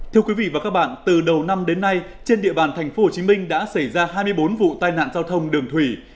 thưa quý vị và các bạn từ đầu năm đến nay trên địa bàn tp hcm đã xảy ra hai mươi bốn vụ tai nạn giao thông đường thủy